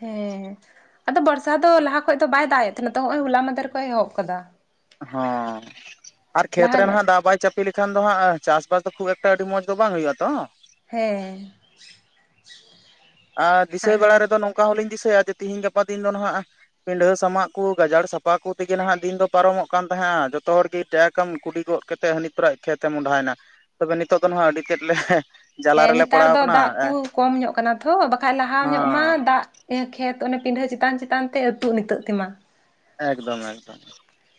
ᱦᱮᱸ [unintelligible] ᱟᱫᱚ ᱵᱚᱨᱥᱟ ᱫᱚ ᱞᱟᱦᱟ ᱠᱷᱚᱡ ᱫᱚ ᱵᱟᱭ ᱫᱟᱜ ᱮᱫ ᱛᱟᱦᱮᱸᱱᱟ ᱛᱚ ᱱᱚᱜ-ᱚᱭ ᱦᱚᱞᱟ ᱢᱟᱫᱷᱮᱨ ᱠᱷᱚᱡ ᱮ ᱮᱦᱚᱵ ᱟᱠᱟᱫᱟ ᱦᱚᱸ [unintelligible] ᱟᱨ ᱠᱷᱮᱛ ᱞᱟᱦᱟ ᱨᱮ ᱧᱚᱜ ᱱᱟᱦᱟᱜ ᱫᱟᱜ ᱵᱟᱭ ᱪᱟᱯ ᱯᱮ ᱞᱮᱠᱷᱟᱱ ᱫᱚ ᱦᱟᱸᱜ ᱪᱟᱥᱵᱟᱥ ᱫᱚ ᱠᱷᱩᱵ ᱮᱠᱴᱟ ᱟᱹᱰᱤ ᱢᱚᱸᱡᱽ ᱫᱚ ᱵᱟᱝ ᱦᱩᱭᱩᱜᱼᱟ ᱛᱚ, ᱦᱮᱸ [unintelligible] ᱟᱨ ᱫᱤᱥᱟᱹᱭ ᱵᱮᱲᱟ ᱨᱮᱫᱚ ᱱᱚᱝᱠᱟ ᱦᱚᱸᱞᱤᱧ ᱫᱤᱥᱟᱹᱭᱟ ᱡᱮ ᱛᱤᱦᱤᱧ ᱜᱟᱯᱟ ᱫᱤᱱ ᱫᱚ ᱱᱟᱦᱟᱸᱜ-, ᱯᱤᱱᱰᱷᱟᱹ ᱥᱟᱢᱟᱜ ᱠᱚ ᱜᱟᱡᱟᱲ ᱥᱟᱯᱷᱟ ᱠᱚ ᱛᱮᱜᱮ ᱱᱟᱦᱟᱜ ᱫᱤᱱ ᱫᱚ ᱯᱟᱨᱚᱢᱚᱜ ᱠᱟᱱ ᱛᱟᱦᱮᱸᱜᱼᱟ ᱡᱚᱛᱚ ᱦᱚᱲ ᱜᱮ ᱴᱮᱠ ᱥᱟᱠᱟᱢ ᱠᱩᱰᱤ ᱜᱚᱫ ᱠᱟᱛᱮᱫ ᱦᱟᱹᱱᱤ ᱯᱮᱨᱟᱭ ᱠᱷᱮᱛ ᱮ ᱢᱚᱦᱚᱰᱟᱭᱮᱱᱟ ᱛᱚᱵᱮ ᱱᱤᱛᱚᱜ ᱫᱚ ᱱᱟᱦᱟᱸᱜ ᱟᱹᱰᱤ ᱛᱮᱫ ᱞᱮ ᱡᱟᱞᱟ ᱦᱮᱸ ᱨᱮᱞᱮ ᱱᱮᱛᱟᱨ ᱯᱟᱲᱟᱣ ᱫᱚ ᱠᱟᱱᱟ [unintelligible] ᱫᱟᱜ ᱠᱚ ᱠᱚᱢ ᱧᱚᱜ ᱟᱠᱟᱱᱟ ᱛᱷᱚ ᱵᱟᱠᱷᱟᱡ ᱞᱟᱦᱟ ᱧᱚᱜ ᱢᱟ ᱫᱟᱜ ᱮᱸ ᱠᱷᱮᱛ ᱚᱱᱮ ᱯᱤᱱᱰᱷᱟᱹ ᱪᱮᱛᱟᱱ ᱪᱮᱛᱟᱱ ᱛᱮ ᱢᱟ ᱟᱹᱛᱩᱜ ᱱᱤᱛᱟᱹᱜ ᱛᱮᱢᱟ, ᱮᱠᱫᱚᱢ ᱮᱠᱫᱚᱢ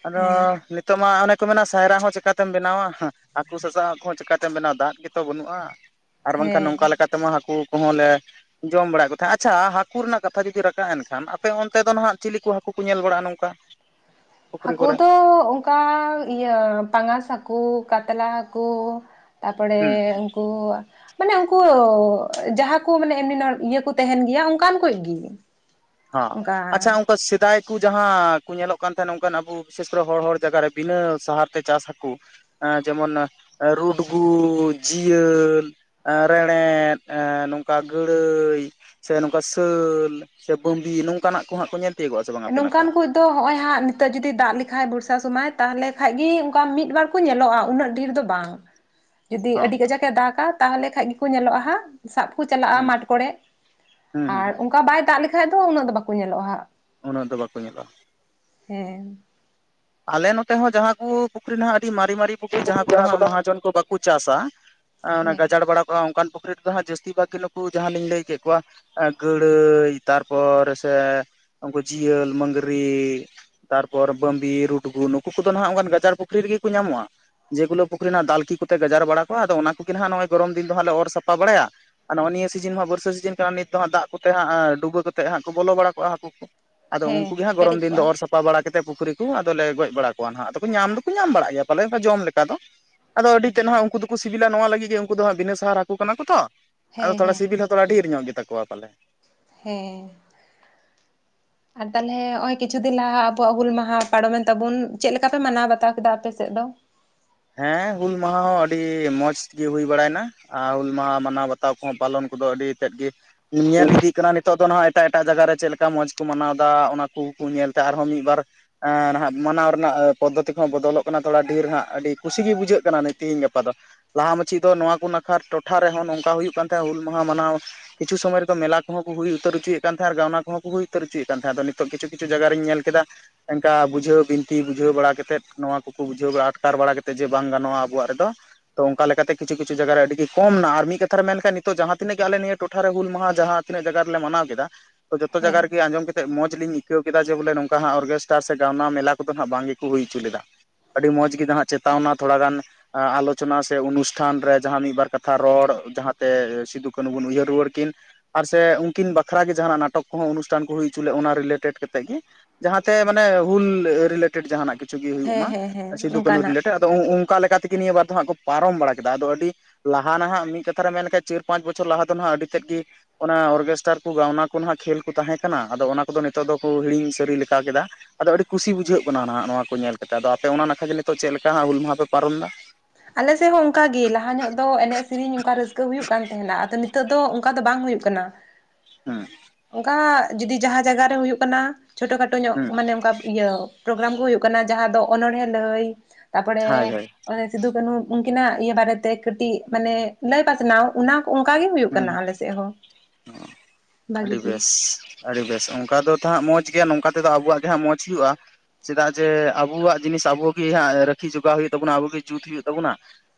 ᱟᱫᱚ ᱦᱮᱸ ᱱᱤᱛᱚᱜ ᱢᱟ ᱚᱱᱮ ᱠᱚ ᱢᱮᱱᱟ ᱥᱟᱭᱨᱟ ᱦᱚᱸ ᱪᱤᱠᱟᱛᱮᱢ ᱵᱮᱱᱟᱣᱟ, ᱦᱟᱹᱠᱩ ᱥᱟᱥᱟᱵ ᱦᱚ ᱠᱚᱦᱚᱸ ᱪᱤᱠᱟᱹᱛᱮᱢ ᱵᱮᱱᱟᱣᱟ ᱫᱟᱜ ᱜᱮᱛᱚ ᱵᱟᱹᱱᱩᱜᱼᱟ ᱟᱨ ᱵᱟᱝᱠᱷᱟᱱ ᱦᱮᱸ ᱱᱚᱝᱠᱟ ᱞᱮᱠᱟᱛᱮ ᱛᱮᱢᱟ ᱦᱟᱹᱠᱩ ᱠᱚᱦᱚᱸ ᱞᱮ ᱡᱚᱢ ᱵᱟᱲᱟᱭᱮᱫ ᱠᱚ ᱛᱟᱦᱮᱸᱫ ᱟᱪᱪᱷᱟ ᱦᱟᱹᱠᱩ ᱨᱮᱱᱟᱜ ᱠᱟᱛᱷᱟ ᱡᱩᱫᱤ ᱨᱟᱠᱟᱵ ᱮᱱᱠᱷᱟᱱ, ᱟᱯᱮ ᱚᱱᱛᱮ ᱫᱚ ᱱᱟᱦᱟᱜ ᱪᱤᱞᱤ ᱠᱚ ᱦᱟᱹᱠᱩ ᱠᱚ ᱧᱮᱞ ᱵᱟᱲᱟᱜᱼᱟ? ᱱᱚᱝᱠᱟ, ᱯᱩᱠᱷᱨᱤ ᱦᱟᱹᱠᱳ ᱠᱚᱨᱮ ᱫᱚ ᱚᱱᱠᱟ ᱤᱭᱟᱹ ᱯᱟᱸᱜᱟᱥ ᱦᱟᱹᱠᱩ ᱠᱟᱛᱞᱟ ᱦᱟᱹᱠᱩ, ᱛᱟᱨᱯᱚᱨᱮ ᱦᱩᱸ ᱩᱱᱠᱩ ᱢᱟᱱᱮ ᱩᱱᱠᱩ ᱡᱟᱦᱟᱸ ᱠᱚ ᱢᱟᱱᱮ ᱮᱢᱱᱤ [unintelligible] ᱤᱭᱟᱹ ᱠᱚ ᱛᱟᱦᱮᱱ ᱜᱮᱭᱟ ᱚᱱᱠᱟᱱ ᱠᱚᱡ ᱜᱮ᱾ ᱦᱚᱸ ᱚᱱᱠᱟ ᱟᱪᱪᱷᱟ ᱩᱱ ᱠᱟ ᱥᱮᱫᱟᱭ ᱠᱚ ᱡᱟᱦᱟᱸ ᱠᱚ ᱧᱮᱞᱚᱜ ᱠᱟᱱ ᱛᱟᱦᱮᱸᱱ-ᱟ ᱚᱱᱠᱟᱱ ᱟᱵᱚ ᱵᱤᱥᱮᱥ ᱠᱚᱨᱮ ᱦᱚᱲ ᱦᱚᱲ ᱡᱟᱭᱜᱟ ᱨᱮ ᱵᱤᱱᱟᱹ ᱥᱟᱦᱟᱨ ᱛᱮ ᱪᱟᱥ ᱦᱟᱠᱩ, ᱡᱮᱢᱚᱱ ᱨᱩᱰᱜᱩ, ᱡᱤᱭᱟᱹᱞ ᱨᱮᱸᱲᱮᱫ ᱱᱚᱝᱠᱟ ᱜᱟᱹᱲᱟᱹᱭ ᱥᱮ ᱱᱚᱝᱠᱟ ᱥᱟᱹᱞ ᱥᱮ ᱵᱟᱺᱵᱤ ᱱᱚᱝᱠᱟᱱᱟᱜ ᱠᱚ ᱦᱟᱸᱜ ᱠᱚ ᱧᱮᱞ ᱛᱤᱭᱳᱜᱚᱜᱼᱟ ᱥᱮ ᱵᱟᱝ ᱟᱯᱮ ᱱᱟᱠᱷᱟ ᱱᱚᱝᱠᱟᱱ ᱠᱩᱡ ᱛᱚ ᱦᱚᱜᱼᱚᱭ ᱦᱟᱸᱜ ᱱᱤᱛᱚᱜ ᱡᱩᱫᱤ ᱫᱟᱜ ᱞᱮᱠᱷᱟᱡ ᱵᱚᱨᱥᱟ ᱥᱳᱢᱟᱹᱭ ᱛᱟᱦᱚᱞᱮ ᱠᱷᱟᱡ ᱜᱤ ᱚᱝᱠᱟ ᱢᱤᱫ ᱵᱟᱨ ᱠᱚ ᱧᱮᱞᱚᱜᱼᱟ ᱩᱱᱟᱹᱜ ᱰᱷᱮᱨ ᱫᱚ ᱵᱟᱝ ᱡᱩᱫᱤ ᱦᱚᱸ ᱟᱹᱰᱤ ᱜᱟᱡᱟᱠ ᱮ ᱫᱟᱜᱼᱟ ᱛᱟᱦᱚᱞᱮ ᱠᱷᱟᱡ ᱜᱮᱠᱚ ᱧᱮᱞᱚᱜᱼᱟ ᱦᱟᱸᱜ ᱥᱟᱵ ᱠᱚ ᱪᱟᱞᱟᱜᱼᱟ ᱦᱩᱸ ᱢᱟᱴ ᱠᱚᱨᱮ, ᱦᱩᱸ ᱦᱩᱸ ᱟᱨ ᱚᱱᱠᱟ ᱵᱟᱭ ᱫᱟᱜ ᱞᱮᱠᱷᱟᱡ ᱫᱚ ᱩᱱᱟᱹᱜ ᱫᱚ ᱵᱟᱠᱚ ᱧᱮᱞᱚᱜᱼᱟ ᱦᱟᱸᱜ ᱩᱱᱟᱹᱜ ᱫᱚ ᱵᱟᱠᱚ ᱧᱮᱞᱚᱜᱼᱟ᱾ ᱦᱮᱸ ᱟᱞᱮ ᱱᱚᱛᱮ ᱦᱚᱸ ᱡᱟᱦᱟᱸ ᱠᱚ ᱯᱩᱠᱷᱨᱤ ᱱᱟᱦᱟᱜ ᱟᱹᱰᱤ ᱢᱟᱨᱮ ᱢᱟᱨᱮ ᱯᱩᱠᱷᱨᱤ ᱡᱟᱦᱟᱸ ᱠᱚᱫᱚ ᱦᱟᱸᱜ ᱢᱟᱦᱟᱡᱚᱱ ᱠᱚ ᱵᱟᱠᱚ ᱪᱟᱥᱟ ᱚᱱᱟ ᱦᱟᱸᱜ ᱦᱮᱸ ᱜᱟᱡᱟᱲ ᱵᱟᱲᱟ ᱠᱚᱜ-ᱟ ᱚᱱᱠᱟᱱ ᱯᱩᱠᱷᱨᱤ ᱫᱚ ᱦᱟᱸᱜ ᱡᱟᱹᱥᱛᱤ ᱵᱷᱟᱜ ᱜᱮ ᱱᱩᱠᱩ ᱡᱟᱦᱟᱸ ᱞᱤᱧ ᱞᱟᱹᱭ ᱠᱮᱜ ᱠᱚᱣᱟ ᱜᱟᱹᱲᱟᱹᱭ ᱛᱟᱨᱯᱚᱨ ᱥᱮ ᱩᱱᱠᱩ ᱡᱤᱭᱟᱹᱞ, ᱢᱟᱹᱝᱜᱽᱨᱤ ᱛᱟᱨᱯᱚᱨ ᱵᱟᱹᱢᱵᱤᱨ ᱨᱩᱰᱜᱩ ᱱᱩᱠᱩ ᱠᱚᱫᱚ ᱱᱟᱦᱟᱸᱜ ᱚᱱᱠᱟᱱ ᱜᱟᱡᱟᱲ ᱯᱩᱠᱷᱨᱤ ᱨᱮᱜᱮ ᱠᱚ ᱧᱟᱢᱚᱜᱼᱟ᱾ ᱡᱮᱜᱩᱞᱟ ᱯᱩᱠᱷᱨᱤ ᱨᱮᱱᱟᱜ ᱫᱟᱞᱠᱤ ᱠᱚᱛᱮ ᱜᱟᱡᱟᱲ ᱵᱟᱲᱟ ᱠᱚᱜ-ᱟ᱾ ᱟᱫᱚ ᱚᱱᱟ ᱠᱚᱜᱮ ᱱᱟᱦᱟᱸᱜ ᱱᱚᱜᱼᱚᱭ ᱜᱚᱨᱚᱢ ᱫᱤᱱ ᱫᱚ ᱦᱟᱸᱜ ᱞᱮ ᱚᱨ ᱥᱟᱯᱷᱟ ᱵᱟᱲᱟᱭᱟ᱾ ᱟᱨ ᱱᱚᱜᱼᱚᱭ ᱱᱤᱭᱟᱹ ᱥᱤᱡᱤᱱ ᱢᱟ ᱵᱟᱹᱨᱥᱟᱹ ᱥᱤᱡᱤᱱ ᱠᱟᱱᱟ ᱱᱤᱛ ᱫᱚ ᱦᱟᱸᱜ ᱫᱟᱜ ᱠᱚᱛᱮ ᱦᱟᱸᱜ ᱰᱩᱵᱟᱹ ᱠᱟᱛᱮᱜ ᱦᱟᱸᱜ ᱠᱚ ᱵᱚᱞᱚ ᱵᱟᱲᱟ ᱠᱚᱜᱼᱟ ᱦᱟᱹᱠᱩ ᱠᱚ ᱟᱫᱚ ᱩᱝᱠᱩ ᱦᱮᱸ ᱜᱮ ᱦᱟᱸᱜ ᱜᱚᱨᱚᱢ ᱯᱮᱨᱮᱡ ᱫᱤᱱ ᱠᱚᱜᱼᱟ ᱫᱚ ᱚᱨ ᱥᱟ ᱯᱟ ᱵᱟᱲᱟ ᱠᱟᱛᱮᱫ ᱯᱩᱠᱷᱨᱤ ᱠᱚ ᱟᱫᱚᱞᱮ ᱜᱚᱡ ᱵᱟᱲᱟ ᱠᱚᱣᱟ ᱱᱟᱦᱟᱜ ᱟᱫᱚ ᱧᱟᱢ ᱫᱚᱠᱚ ᱧᱟᱢ ᱵᱟᱲᱟᱜ ᱜᱮᱭᱟ ᱯᱟᱞᱮ ᱡᱚᱢ ᱞᱮᱠᱟ ᱫᱚ ᱟᱫᱚ ᱟᱹᱰᱤ ᱛᱮᱜ ᱱᱟᱦᱟᱜ ᱩᱝᱠᱩ ᱫᱚᱠᱚ ᱥᱤᱵᱤᱞᱟ ᱱᱚᱣᱟ ᱞᱟᱹᱜᱤᱜ ᱜᱮ ᱩᱱᱠᱩ ᱫᱚ ᱦᱟᱸᱜ ᱵᱤᱱᱟᱹ ᱥᱟᱦᱟᱨ ᱦᱟᱹᱠᱩ ᱠᱟᱱᱟ ᱠᱚ ᱛᱚ ᱟᱫᱚ ᱦᱮᱸ ᱛᱷᱚᱲᱟ ᱦᱮᱸ ᱥᱤᱵᱤᱞ ᱦᱚᱸ ᱛᱷᱚᱲᱟ ᱰᱷᱮᱨ ᱧᱚᱜ ᱜᱮᱛᱟ ᱠᱚᱣᱟ ᱯᱟᱞᱮ᱾ ᱦᱮᱸ ᱟᱨ ᱛᱟᱦᱚᱞᱮ ᱦᱚᱸᱜᱼᱚᱭ ᱠᱤᱪᱷᱩ ᱫᱤᱱ ᱞᱟᱦᱟ ᱟᱵᱚᱣᱟᱜ ᱦᱩᱞ ᱢᱟᱦᱟ ᱯᱟᱨᱚᱢᱮᱱ ᱛᱟᱵᱚᱱ ᱪᱮᱫ ᱞᱮᱠᱟ ᱯᱮ ᱢᱟᱱᱟᱣ ᱵᱟᱛᱟᱣ ᱠᱮᱫᱟ ᱟᱯᱮ ᱥᱮᱫ ᱫᱚ? ᱦᱮᱸ ᱦᱩᱞ ᱢᱟᱦᱟ ᱦᱚᱸ ᱟᱹᱰᱤ ᱢᱚᱸᱡᱽ ᱛᱮᱜᱤ ᱦᱩᱭ ᱵᱟᱲᱟᱭᱱᱟ ᱟᱨ ᱦᱩᱞ ᱢᱟᱦᱟ ᱢᱟᱱᱟᱣ ᱵᱟᱛ ᱛᱟᱣ ᱠᱚᱦᱚᱸ ᱯᱟᱞᱚᱱ ᱠᱚᱫᱚ ᱟᱹᱰᱤ ᱛᱮᱫ ᱜᱮ ᱧᱮᱞ ᱤᱫᱤ ᱠᱟᱱᱟ ᱱᱤᱛ ᱱᱤᱛᱚᱜ ᱫᱚ ᱱᱟᱹᱜ ᱮᱴᱟᱜ ᱮᱴᱟᱜ ᱡᱟᱜᱟ ᱨᱮ ᱪᱮᱫ ᱞᱮᱠᱟ ᱢᱚᱸᱡᱽ ᱠᱚ ᱢᱟᱱᱟᱣ ᱫᱟ ᱚᱱᱟ ᱠᱚᱠᱚ ᱧᱮᱞᱫᱟ ᱟᱨᱦᱚᱸ ᱢᱤᱜᱵᱟᱨ ᱱᱟᱹᱜ ᱢᱟᱱᱟᱣ ᱨᱮᱱᱟᱜ ᱯᱚᱫᱽᱫᱷᱚᱛᱤ ᱠᱚᱦᱚᱸ ᱵᱚᱫᱚᱞᱚᱜ ᱠᱟᱱᱟ ᱛᱷᱚᱲᱟ ᱰᱷᱮᱨ ᱦᱟᱸᱜ ᱟᱹᱰᱤ ᱠᱩᱥᱤ ᱜᱮ ᱵᱩᱡᱷᱟᱹᱜ ᱠᱟᱱᱟ ᱛᱮᱦᱤᱧ ᱜᱟᱯᱟ ᱫᱚ ᱞᱟᱦᱟ ᱢᱟᱪᱷᱤ ᱫᱚ ᱱᱚᱣᱟ ᱠᱚ ᱱᱟᱠᱷᱟᱨ ᱴᱚᱴᱷᱟ ᱨᱮᱦᱚᱸ ᱱᱚᱝᱠᱟ ᱦᱩᱭᱩᱜ ᱠᱟᱱ ᱛᱟᱦᱮᱸ ᱦᱩᱞ ᱢᱟᱦᱟ ᱢᱟᱱᱟᱣ ᱠᱤᱪᱷᱩ ᱥᱚᱢᱚᱭ ᱨᱮᱫᱚ ᱢᱮᱞᱟ ᱠᱚᱦᱚᱸ ᱠᱚ ᱦᱩᱭ ᱩᱛᱟᱹᱨ ᱦᱚᱪᱚᱭᱮᱫ ᱠᱟᱱ ᱛᱟᱦᱮᱸ ᱟᱨ ᱜᱟᱣᱱᱟ ᱠᱚᱦᱚᱸ ᱠᱚ ᱦᱩᱭ ᱩᱛᱟᱹᱨ ᱦᱚᱪᱚᱭᱮᱫ ᱠᱟᱱ ᱛᱟᱦᱮᱸ ᱟᱫᱚ ᱱᱤᱛᱚᱜ ᱠᱤᱪᱷᱩ ᱠᱤᱪᱩ ᱡᱟᱭᱜᱟ ᱨᱮᱧ ᱧᱮᱞ ᱠᱮᱫᱟ ᱚᱝᱠᱟ ᱵᱩᱡᱷᱟᱹᱣ ᱵᱤᱱᱛᱤ ᱵᱩᱡᱷᱟᱹᱣ ᱵᱟᱲᱟ ᱠᱟᱛᱮᱫ ᱱᱚᱣᱟ ᱠᱚᱠᱚ ᱵᱩᱡᱷᱟᱹᱣ ᱵᱟᱲᱟ ᱟᱴᱠᱟᱨ ᱵᱟᱲᱟ ᱠᱟᱛᱮᱫ ᱛᱮ ᱡᱮ ᱵᱟᱝ ᱜᱟᱱᱚᱜᱼᱟ ᱟᱵᱚᱣᱟᱜ ᱨᱮᱫᱚ ᱛᱚ ᱚᱝᱠᱟ ᱞᱮᱠᱟᱛᱮ ᱠᱤᱪᱷᱩ ᱠᱤᱪᱷᱩ ᱡᱟᱭᱜᱟ ᱨᱮ ᱟᱹᱰᱤᱜᱮ ᱠᱚᱢ ᱱᱟ ᱟᱨ ᱢᱤᱫ ᱠᱟᱛᱷᱟ ᱨᱮ ᱢᱮᱱᱞᱮᱠᱷᱟᱡ ᱱᱤᱛᱚᱜ ᱡᱟᱦᱟᱸ ᱛᱤᱱᱟᱹᱜ ᱜᱮ ᱟᱞᱮ ᱱᱤᱭᱟᱹ ᱴᱚᱴᱷᱟ ᱨᱮ ᱦᱩᱞ ᱢᱟᱦᱟ ᱡᱟᱦᱟᱸ ᱛᱤᱱᱟᱹᱜ ᱡᱟᱜᱟ ᱨᱮᱞᱮ ᱢᱟᱱᱟᱣ ᱠᱮᱫᱟ ᱛᱚ ᱡᱚᱛᱚ ᱡᱟᱜᱟ ᱦᱮᱸ ᱨᱮᱜᱮ ᱟᱸᱡᱚᱢ ᱠᱮᱫ ᱢᱚᱡᱽ ᱞᱤᱧ ᱟᱹᱭᱠᱟᱹᱣ ᱠᱮᱫᱟ ᱡᱮ ᱵᱚᱞᱮ ᱱᱚᱝᱠᱟ ᱦᱟᱸᱜ ᱚᱨᱠᱮᱥᱴᱟᱨ ᱥᱮ ᱜᱟᱣᱱᱟ ᱢᱮᱞᱟ ᱠᱚᱫᱚ ᱦᱟᱸᱜ ᱵᱟᱝ ᱜᱮᱠᱚ ᱦᱩᱭ ᱦᱚᱪᱚ ᱞᱮᱫᱟ ᱟᱹᱰᱤ ᱢᱚᱸᱡᱽ ᱜᱮ ᱱᱟᱦᱟᱹᱜ ᱪᱮᱛᱟᱣᱱᱟ ᱛᱷᱚᱲᱟ ᱜᱟᱱ ᱟᱞᱳᱪᱚᱱᱟ ᱥᱮ ᱚᱱᱩᱥᱴᱷᱟᱱ ᱨᱮ ᱡᱟᱦᱟᱸ ᱢᱤᱫᱵᱟᱨ ᱠᱟᱛᱷᱟ ᱨᱚᱲ ᱡᱟᱦᱟᱸᱛᱮ ᱥᱤᱫᱩ ᱠᱟᱹᱱᱩ ᱵᱚᱱ ᱩᱭᱦᱟᱹᱨ ᱨᱩᱣᱟᱹᱲ ᱠᱤᱱ ᱟᱨ ᱥᱮ ᱩᱱᱠᱤᱱ ᱵᱟᱠᱷᱨᱟ ᱜᱮ ᱡᱟᱦᱟᱸᱱᱟᱜ ᱱᱟᱴᱚᱠ ᱠᱚᱦᱚᱸ ᱚᱱᱩᱥᱴᱷᱟᱱ ᱠᱚ ᱦᱩᱭ ᱪᱚ ᱞᱮᱜ ᱚᱱᱟ ᱨᱤᱞᱮᱴᱮᱰ ᱠᱟᱛᱮᱜ ᱜᱮ ᱡᱟᱦᱟᱸᱛᱮ ᱢᱟᱱᱮ ᱦᱩᱞ ᱨᱤᱞᱮᱴᱮᱰ ᱡᱟᱦᱟᱸ ᱱᱟᱜ ᱠᱤᱪᱷᱩ ᱜᱮ ᱦᱩᱭᱩᱜ ᱦᱮᱸ ᱢᱟ ᱦᱮᱸ ᱦᱮᱸ ᱥᱤᱫᱩ ᱠᱟᱹᱱᱦᱩ ᱚᱱᱠᱟᱱᱟᱜ ᱨᱤᱞᱮᱴᱮᱰ ᱟᱫᱚ ᱚᱝᱠᱟ ᱞᱮᱠᱟ ᱛᱮᱜᱮ ᱱᱤᱭᱟᱹ ᱵᱟᱨ ᱫᱚ ᱦᱟᱸᱜ ᱠᱚ ᱯᱟᱨᱚᱢ ᱵᱟᱲᱟ ᱠᱮᱫᱟ ᱟᱫᱚ ᱟᱹᱰᱤ ᱞᱟᱦᱟ ᱱᱟᱦᱟᱸᱟᱜ ᱢᱤᱫ ᱠᱟᱛᱷᱟᱨᱮ ᱢᱮᱱ ᱞᱮᱠᱷᱟᱡ ᱪᱟᱨ ᱯᱟᱸᱪ ᱵᱚᱪᱷᱚᱨ ᱞᱟᱦᱟ ᱫᱚ ᱦᱟᱸᱜ ᱟᱹᱰᱤ ᱛᱮᱫ ᱜᱮ ᱚᱱᱟ ᱚᱨᱠᱮᱥᱴᱟᱨ ᱠᱚ ᱜᱟᱣᱱᱟ ᱠᱚ ᱱᱟᱹᱜ ᱠᱷᱮᱞ ᱠᱚ ᱛᱟᱦᱮᱸ ᱠᱟᱱᱟ ᱟᱫᱚ ᱚᱱᱟ ᱠᱚᱫᱚ ᱱᱤᱛᱚᱜ ᱫᱚᱠᱚ ᱦᱤᱲᱤᱧ ᱥᱟᱹᱨᱤ ᱞᱮᱠᱟ ᱠᱮᱫᱟ ᱟᱫᱚ ᱟᱹᱰᱤ ᱠᱩᱥᱤ ᱵᱩᱡᱷᱟᱹᱜ ᱠᱟᱱᱟ ᱱᱟᱸᱜ ᱱᱚᱣᱟ ᱠᱚ ᱧᱮᱞ ᱠᱟᱛᱮ ᱟᱫᱚ ᱟᱯᱮ ᱚᱱᱟ ᱱᱟᱠᱷᱟᱡ ᱱᱤᱛᱚᱜ ᱪᱮᱫ ᱞᱮᱠᱟ ᱦᱟᱸᱜ ᱦᱩᱞ ᱢᱟᱦᱟ ᱯᱮ ᱯᱟᱨᱚᱢ ᱫᱟ᱾ ᱟᱞᱮ ᱥᱮᱜ ᱦᱚᱸ ᱚᱝᱠᱟᱜ ᱜᱮ ᱞᱟᱦᱟ ᱧᱚᱜ ᱫᱚ ᱮᱱᱮᱡ ᱥᱤᱨᱤᱧ ᱚᱝᱠᱟ ᱨᱟᱹᱥᱠᱟᱹ ᱦᱩᱭᱩᱜ ᱠᱟᱱ ᱛᱟᱦᱮᱸᱱᱟ ᱟᱫᱚ ᱱᱤᱛᱚᱜ ᱫᱚ ᱚᱝᱠᱟ ᱫᱚ ᱵᱟᱝ ᱦᱩᱭᱩᱜ ᱠᱟᱱᱟ᱾ ᱦᱮᱸ ᱚᱝᱠᱟ ᱡᱩᱫᱤ ᱡᱟᱦᱟᱸ ᱡᱟᱭᱜᱟ ᱨᱮ ᱦᱩᱭᱩᱜ ᱠᱟᱱᱟ ᱪᱷᱳᱴᱳ ᱠᱷᱟᱴᱳ ᱧᱚᱜ ᱦᱩᱸ ᱢᱟᱱᱮ ᱚᱝᱠᱟ ᱤᱭᱟᱹ ᱯᱨᱳᱜᱨᱟᱢ ᱠᱚ ᱦᱩᱭᱩᱜ ᱠᱟᱱᱟ ᱡᱟᱦᱟᱸ ᱫᱚ ᱚᱱᱚᱬᱦᱮ ᱞᱟᱹᱭ ᱛᱟᱨᱯᱚᱨᱮ ᱦᱳᱭ ᱦᱳᱭ ᱚᱱᱮ ᱥᱤᱫᱩ ᱠᱟᱹᱱᱦᱩ ᱩᱝᱠᱤᱱᱟᱜ ᱤᱭᱟᱹ ᱵᱟᱨᱮᱛᱮ ᱠᱟᱹᱴᱤᱡ ᱢᱟᱱᱮ ᱞᱟᱹᱭ ᱯᱟᱥᱱᱟᱣ ᱚᱱᱟ ᱚᱝᱠᱟ ᱜᱮ ᱦᱳᱭᱳᱜ ᱠᱟᱱᱟ ᱟᱞᱮ ᱥᱮᱜ ᱦᱚᱸ᱾ ᱚ ᱵᱷᱟᱜᱤ ᱟᱹᱰᱤ ᱜᱮ ᱵᱮᱥ ᱟᱹᱰᱤ ᱵᱮᱥ ᱚᱝᱠᱟ ᱫᱚ ᱛᱷᱟᱹᱜ ᱢᱚᱸᱡᱽ ᱜᱮᱭᱟ ᱱᱚᱝᱠᱟ ᱛᱮᱫᱚ ᱟᱵᱚᱣᱟᱜ ᱜᱮ ᱦᱟᱸᱜ ᱢᱚᱸᱡᱽ ᱦᱩᱭᱩᱜᱼᱟ ᱪᱮᱫᱟᱜ ᱡᱮ ᱟᱵᱚᱣᱟᱜ ᱡᱤᱱᱤᱥ ᱟᱵᱳ ᱜᱮ ᱦᱟᱸᱜ ᱨᱟᱹᱠᱷᱤ ᱡᱚᱜᱟᱣ ᱦᱩᱭᱩᱜ ᱛᱟᱵᱚᱱᱟ ᱟᱵᱚᱜᱮ ᱡᱩᱛ ᱦᱩᱭᱩᱜ ᱛᱟᱵᱚᱱᱟ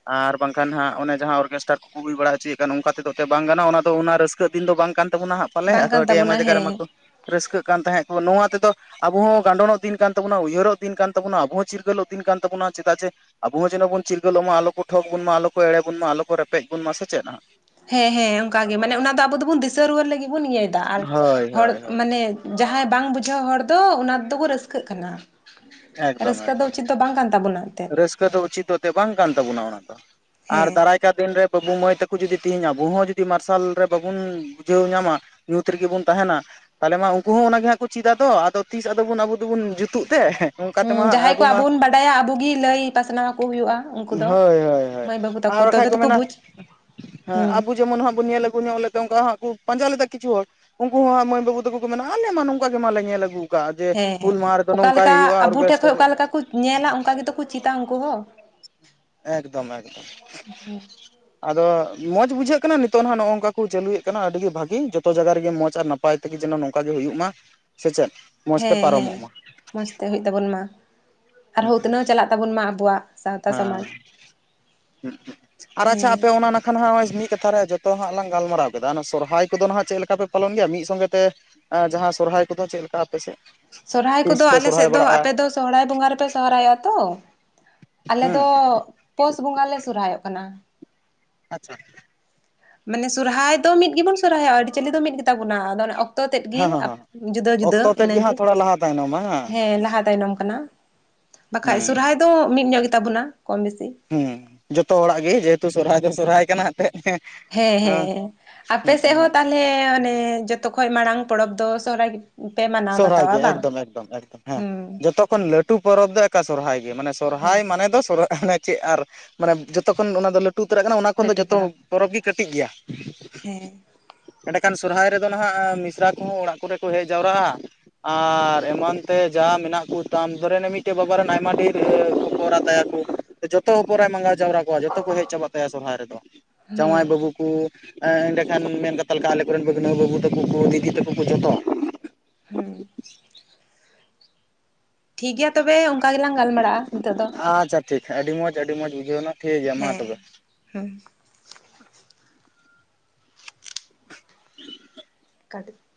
ᱟᱨ ᱵᱟᱝᱠᱷᱟᱱ ᱦᱟᱸᱜ ᱚᱱᱮ ᱡᱟᱦᱟᱸ ᱚᱨᱠᱮᱥᱴᱟᱨ ᱠᱚᱠᱚ ᱦᱩᱭ ᱵᱟᱲᱟ ᱦᱚᱪᱚᱭᱮᱜ ᱠᱟᱱ ᱚᱱᱠᱟ ᱛᱮᱫᱚ ᱵᱟᱝ ᱜᱟᱱᱚᱜᱼᱟ ᱚᱱᱟ ᱫᱚ ᱚᱱᱟ ᱨᱟᱹᱥᱠᱟᱹᱜ ᱫᱤᱱ ᱫᱚ ᱵᱟᱝ ᱠᱟᱱ ᱛᱟᱵᱚᱱᱟ ᱦᱟᱸᱜ ᱯᱟᱞᱮ ᱵᱟᱝ ᱟᱫᱚ ᱠᱟᱱ ᱟᱹᱰᱤ ᱟᱭᱢᱟ ᱛᱟᱵᱚᱱᱟ ᱡᱟᱜᱟ ᱨᱮᱢᱟ ᱦᱮᱸ ᱠᱚ ᱨᱟᱹᱥᱠᱟ. ᱛᱟᱦᱮᱱ ᱱᱚᱣᱟ ᱛᱮᱫᱚ ᱟᱵᱚ ᱦᱚᱸ ᱜᱟᱸᱰᱚᱱᱚᱜ ᱫᱤᱱ ᱠᱟᱱ ᱛᱟᱵᱚᱱᱟ ᱩᱭᱦᱟᱹᱨᱚᱜ ᱫᱤᱱ ᱠᱟᱱ ᱛᱟᱵᱚᱱᱟ ᱟᱵᱚᱸ ᱪᱤᱨᱜᱟᱹᱞᱚᱜ ᱫᱤᱱ ᱠᱟᱱ ᱛᱟᱵᱚᱱᱟ ᱪᱮᱫᱟᱜ ᱡᱮ ᱟᱵᱚ ᱦᱚᱸ ᱡᱮᱱᱚ ᱵᱚᱱ ᱪᱤᱨᱜᱟᱹᱚᱜ ᱢᱟ ᱟᱞᱚ ᱴᱷᱚᱠ ᱵᱚᱱ ᱢᱟ ᱟᱞᱚ ᱮᱲᱮ ᱵᱚᱱ ᱢᱟ ᱟᱞᱚ ᱠᱚ ᱨᱮᱯᱮᱡ ᱵᱚᱱ ᱢᱟ ᱥᱮ ᱪᱮᱫ ᱦᱟᱸᱜ ᱦᱮᱸ ᱦᱮᱸ ᱚᱱᱠᱟᱜᱮ ᱢᱟᱱᱮ ᱚᱱᱟ ᱫᱚ ᱟᱵᱚ ᱫᱚᱵᱚᱱ ᱫᱤᱥᱟᱹ ᱨᱩᱣᱟᱹᱲ ᱞᱟᱹᱜᱤᱫ ᱵᱚᱱ ᱤᱭᱟᱹᱭᱮᱫᱟ ᱟᱨ ᱦᱳᱭ ᱦᱚᱲ ᱦᱳᱭ ᱦᱳᱭ᱾ ᱢᱟᱱᱮ ᱡᱟᱦᱟᱸᱭ ᱵᱟᱝ ᱵᱩᱡᱷᱟᱹᱣ ᱦᱚᱲ ᱫᱚ ᱚᱱᱟ ᱫᱚᱠᱚ ᱨᱟᱹᱥᱠᱟᱹᱜ ᱠᱟᱱᱟ ᱮᱠᱫᱚᱢ ᱨᱟᱹᱥᱠᱟᱹ ᱫᱚ ᱮᱠᱫᱚᱢ᱾ ᱩᱪᱮᱫ ᱫᱚ ᱵᱟᱝ ᱠᱟᱱ ᱛᱟᱵᱚᱱᱟᱱ ᱛᱮ ᱨᱟᱹᱥᱠᱟᱹ ᱫᱚ ᱩᱪᱤᱛ ᱵᱟᱝ ᱠᱟᱱ ᱛᱟᱵᱚᱱᱟ ᱚᱱᱟ ᱫᱚ ᱟᱨ ᱦᱮᱸ ᱫᱟᱨᱟᱭ ᱪᱮᱠᱟ ᱫᱤᱱ ᱨᱮ ᱵᱟᱹᱵᱩ ᱢᱟᱹᱭ ᱛᱟᱠᱚ ᱡᱩᱫᱤ ᱛᱮᱦᱮᱧ ᱟᱵᱚ ᱦᱚᱸ ᱡᱩᱫᱤ ᱢᱟᱨᱥᱟᱞ ᱨᱮ ᱵᱟᱵᱚᱱ ᱵᱩᱡᱷᱟᱹᱣ ᱧᱟᱢᱟ ᱧᱩᱛ ᱨᱮᱜᱮ ᱵᱚᱱ ᱛᱟᱦᱮᱱᱟ ᱛᱟᱦᱚᱞᱮ ᱢᱟ ᱩᱱᱠᱩ ᱦᱚᱸ ᱦᱟᱜ ᱠᱚ ᱪᱮᱫᱟ ᱟ ᱟᱫᱚ ᱛᱤᱥ ᱟᱫᱚᱵᱚᱱ ᱟᱵᱚ ᱫᱚᱵᱚᱱ ᱡᱩᱛᱩᱜ ᱛᱮ ᱚᱱᱠᱟ ᱦᱮᱸ ᱛᱮᱢᱟ ᱦᱟᱸᱜ ᱡᱟᱦᱟᱸᱭ ᱠᱚ ᱟᱵᱚ ᱢᱟ ᱵᱩᱱ ᱵᱟᱰᱟᱭᱟ ᱟᱵᱚᱜᱤ ᱞᱟᱹᱭ ᱯᱟᱥᱱᱟᱣ ᱠᱚ ᱦᱩᱭᱩᱜᱼᱟ᱾ ᱩᱱᱠᱩ ᱫᱚ ᱦᱳᱭ ᱦᱳᱭ ᱦᱳᱭ ᱢᱟᱹᱭ ᱵᱟᱹᱵᱩ ᱛᱟᱠᱚ ᱟᱨ ᱵᱟᱠᱷᱟᱡ ᱛᱚᱵᱮ ᱠᱚ ᱛᱚᱠᱚ ᱢᱮᱱᱟ ᱵᱩᱡᱽ ᱦᱮ ᱦᱩᱸ ᱟᱵᱩᱡ ᱡᱮᱢᱚᱱ ᱦᱟᱸ ᱵᱚᱱ ᱧᱮᱞ ᱟᱜᱩ ᱧᱚᱜ ᱞᱮᱫᱟ ᱚᱱᱠᱟ ᱦᱟᱜ ᱠᱚ ᱯᱟᱸᱡᱟ ᱞᱮᱫᱟ ᱠᱚ ᱠᱤᱪᱩ ᱦᱚᱲ ᱩᱱᱠᱩ ᱦᱚᱸ ᱢᱟᱹᱭ ᱵᱟᱹᱵᱩ ᱛᱟᱠᱚ ᱠᱚ ᱢᱮᱱᱟ ᱟᱞᱮ ᱢᱟ ᱱᱚᱝᱠᱟ ᱜᱮ ᱢᱟᱞᱮ ᱧᱮᱞ ᱟᱹᱜᱩ ᱠᱟᱜᱼᱟ ᱡᱮ ᱦᱮᱸ ᱦᱩᱞ ᱢᱟᱦᱟ ᱨᱮᱫᱚ ᱚᱠᱟᱞᱮᱠᱟ ᱱᱚᱝᱠᱟᱭ ᱦᱩᱭᱩᱜᱼᱟ ᱟᱵᱚ ᱴᱷᱮᱡ ᱠᱷᱚᱡ ᱚᱨᱜᱮᱥᱴᱟᱨ ᱚᱠᱟ ᱞᱮᱠᱟ ᱠᱚ ᱧᱮᱞᱟ ᱚᱱᱠᱟ ᱜᱮᱛᱚ ᱠᱚ ᱪᱮᱫᱟ ᱩᱱᱠᱩ ᱦᱚᱸ ᱮᱠᱫᱚᱢ ᱮᱠᱫᱚᱢ ᱟᱫᱚ ᱢᱚᱸᱡᱽ ᱵᱩᱡᱷᱟᱹᱜ ᱠᱟᱱᱟ ᱱᱤᱛᱚᱜ ᱱᱟᱜ ᱱᱚᱝᱠᱟ ᱠᱚ ᱪᱟᱹᱞᱩᱭᱮᱫ ᱠᱟᱱᱟ ᱟᱹᱰᱤ ᱵᱷᱟᱜᱤ ᱡᱚᱛᱚ ᱡᱟᱭᱜᱟ ᱨᱮᱜᱮ ᱢᱚᱸᱡᱽ ᱟᱨ ᱱᱟᱯᱟᱭ ᱱᱟᱯᱟᱭ ᱛᱮᱜᱮ ᱡᱮᱱᱚ ᱱᱚᱝᱠᱟ ᱜᱮ ᱦᱩᱭᱩᱜ ᱢᱟ ᱥᱮ ᱪᱮᱫ᱾ ᱢᱚᱸᱡᱽ ᱛᱮ ᱦᱮᱸ ᱯᱟᱨᱚᱢᱚᱜ ᱦᱮᱸ ᱢᱟ ᱢᱚᱸᱡᱽ ᱛᱮ ᱦᱩᱭᱩᱜ ᱛᱟᱵᱚᱱ ᱢᱟ ᱟᱨᱦᱚᱸ ᱩᱛᱱᱟᱹᱣ ᱪᱟᱞᱟᱜ ᱛᱟᱵᱚᱱ ᱢᱟ ᱟᱵᱚᱣᱟᱜ ᱥᱟᱶᱛᱟ ᱥᱚᱢᱟᱡᱽ ᱦᱮᱸ ᱟᱨ ᱟᱪᱪᱷᱟ ᱦᱮᱸ ᱟᱯᱮ ᱚᱱᱟ ᱠᱷᱟᱱ ᱦᱟᱸᱜᱚᱭ ᱢᱤᱫ ᱠᱟᱛᱷᱟ ᱨᱮ ᱡᱚᱛᱚ ᱦᱟᱸᱜ ᱞᱟᱝ ᱜᱟᱞᱢᱟᱨᱟᱣ ᱠᱮᱫᱟ ᱥᱚᱨᱦᱟᱭ ᱠᱚᱫᱚ ᱦᱟᱸᱜ ᱪᱮᱫ ᱞᱮᱠᱟ ᱯᱮ ᱯᱟᱞᱚᱱ ᱜᱮᱭᱟ ᱢᱤᱫ ᱥᱚᱸᱜᱮ ᱛᱮ ᱡᱟᱦᱟᱸ ᱥᱚᱨᱦᱟᱭ ᱠᱚᱫᱚ ᱪᱮᱫ ᱞᱮᱠᱟ ᱟᱯᱮ ᱥᱮᱫ ᱥᱚᱨᱦᱟᱭ ᱛᱤᱥ ᱠᱚᱫᱚ ᱯᱮ ᱟᱞᱮ ᱥᱚᱨᱦᱟᱭ ᱥᱮᱫ ᱫᱚ ᱟᱯᱮ ᱵᱟᱲᱟᱜᱼᱟ ᱫᱚ ᱥᱚᱨᱦᱟᱭ ᱵᱚᱸᱜᱟ ᱨᱮᱯᱮ ᱥᱚᱦᱚᱨᱟᱭᱚᱜᱼᱟ ᱛᱚ ᱟᱞᱮ ᱫᱚ ᱦᱮᱸ ᱯᱩᱥ ᱵᱚᱸᱜᱟ ᱞᱮ ᱥᱚᱨᱦᱟᱭᱚᱜ ᱠᱟᱱᱟ ᱟᱪᱪᱷᱟ [inaudible] ᱢᱟᱱᱮ ᱥᱚᱨᱦᱟᱭ ᱫᱚ ᱢᱤᱫ ᱜᱮᱵᱚᱱ ᱥᱚᱨᱦᱟᱭᱜ ᱟᱹᱨᱤᱪᱟᱹᱞᱤ ᱫᱚ ᱢᱤᱫ ᱜᱮ ᱛᱟᱵᱚᱱᱟ ᱟᱫᱚ ᱚᱱᱮ ᱡᱚᱛᱚ ᱛᱮᱫ ᱜᱮ ᱦᱮᱸ ᱦᱮᱸ ᱦᱮᱸ ᱡᱩᱫᱟᱹ ᱡᱩᱫᱟᱹ ᱚᱠᱛᱚ ᱛᱮᱫ ᱜᱮ ᱤᱱᱟᱹᱜᱮ ᱦᱟᱸᱜ ᱛᱷᱚᱲᱟ ᱞᱟᱦᱟ ᱛᱟᱭᱱᱚᱢ ᱵᱟᱝᱟ ᱦᱮᱸ ᱞᱟᱦᱟ ᱛᱟᱭᱱᱚᱢ ᱠᱟᱱᱟ ᱵᱟᱠᱷᱟᱡ ᱦᱮᱸ ᱥᱚᱨᱦᱟᱭ ᱫᱚ ᱢᱤᱫ ᱧᱚᱜ ᱜᱮ ᱛᱟᱵᱚᱱᱟ ᱠᱚᱢ ᱵᱮᱥᱤ ᱦᱮᱸ ᱡᱚᱛᱚ ᱦᱚᱲᱟᱜ ᱜᱮ ᱡᱮᱦᱮᱛᱩ ᱥᱚᱨᱦᱟᱭ ᱫᱚ ᱥᱚᱨᱦᱟᱭ ᱠᱟᱱᱟ᱾ ᱛᱮᱫ ᱦᱮᱸ ᱦᱮᱸ ᱟᱯᱮ ᱥᱮᱫ ᱦᱚᱸ ᱛᱟᱦᱚᱞᱮ ᱚᱱᱮ ᱡᱚᱛᱚ ᱠᱷᱚᱡ ᱢᱟᱲᱟᱝ ᱯᱚᱨᱚᱵᱽ ᱫᱚ ᱥᱚᱦᱚᱨᱟᱭ ᱥᱚᱨᱚᱦᱟᱭ ᱜᱮ ᱮᱠᱫᱚᱢ ᱮᱠᱫᱚᱢ ᱮᱠᱫᱚᱢ ᱦᱮᱸ ᱦᱩᱸ ᱡᱚᱛᱚ ᱠᱷᱚᱱ ᱞᱟᱹᱴᱩ ᱯᱚᱨᱚᱵᱽ ᱫᱚ ᱮᱠᱟ ᱥᱚᱨᱦᱟᱭ ᱜᱮ ᱢᱟᱱᱮ ᱥᱚᱨᱦᱟᱭ ᱦᱮᱸ ᱢᱟᱱᱮ ᱫᱚ ᱪᱮᱫ ᱟᱨ ᱢᱟᱱᱮ ᱡᱚᱛᱚ ᱠᱷᱚᱱ ᱚᱱᱟ ᱫᱚ ᱞᱟᱹᱴᱩ ᱩᱛᱟᱹᱨᱟᱜ ᱠᱟᱱᱟ ᱚᱱᱟ ᱠᱷᱚᱱ ᱫᱚ ᱡᱚᱛᱚ ᱯᱚᱨᱚᱵᱽ ᱜᱮ ᱠᱟᱹᱴᱤᱡ ᱜᱮᱭᱟ ᱦᱮᱸ ᱮᱸᱰᱮᱠᱷᱟᱱ ᱥᱚᱨᱦᱟᱭ ᱨᱮᱫᱚ ᱦᱟᱜ ᱢᱤᱥᱨᱟ ᱠᱚᱦᱚᱸ ᱚᱲᱟᱜ ᱠᱚᱨᱮ ᱠᱚ ᱦᱮᱡ ᱡᱟᱣᱨᱟᱜᱼᱟ᱾ ᱟᱨ ᱮᱢᱟᱱ ᱛᱮ ᱡᱟ ᱢᱮᱱᱟᱜ ᱠᱚ ᱛᱟᱢ ᱫᱷᱚᱨᱮ ᱢᱤᱫᱴᱮᱡ ᱵᱟᱵᱟ ᱨᱮᱱ ᱟᱭᱢᱟ ᱰᱷᱮᱨ ᱦᱚᱯᱚᱱ ᱮᱨᱟ ᱛᱟᱭᱟᱠᱚ ᱡᱚᱛᱚ ᱯᱚᱨᱟᱭ ᱢᱟᱸᱜᱟᱣ ᱡᱟᱣᱨᱟ ᱠᱚᱣᱟ ᱡᱚᱛ ᱠᱚ ᱦᱮᱡ ᱪᱟᱵᱟᱜ ᱛᱟᱭᱟ ᱥᱚᱨᱦᱟᱭ ᱨᱮᱫᱚ ᱦᱩᱸ ᱡᱟᱶᱟᱭ ᱵᱟᱹᱵᱩ ᱮᱸᱰᱮᱠᱷᱟᱱ ᱢᱮᱱ ᱠᱟᱛ ᱞᱮᱠᱟ ᱟᱞᱮ ᱠᱚᱨᱮᱱᱟᱹᱣ ᱵᱟᱹᱵᱩ ᱛᱟᱠᱚ ᱠᱚ ᱫᱤᱫᱤ ᱛᱟᱠᱚ ᱠᱚ ᱡᱚᱛᱚ᱾ ᱦᱮᱸ [unintelligible] ᱴᱷᱤᱠᱜᱮᱭᱟ ᱛᱚᱵᱮ ᱚᱱᱠᱟ ᱜᱮᱞᱟᱝ ᱜᱟᱞᱢᱟᱨᱟᱜᱼᱟ ᱱᱤᱛᱚᱜ ᱫᱚ᱾ ᱟᱪᱪᱷᱟ ᱴᱷᱤᱠ ᱟᱹᱰᱤ ᱢᱚᱸᱡᱽ ᱟᱹᱰᱤ ᱢᱚᱸᱡᱽ ᱵᱩᱡᱷᱟᱹᱣ ᱮᱱᱟ ᱴᱷᱤᱠ ᱜᱮᱭᱟ ᱢᱟ ᱛᱚᱵᱮ᱾ ᱦᱮᱸ [unintelligible] ᱠᱟᱴ